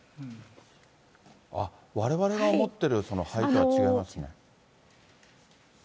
われわれが思ってる灰とは違いますね。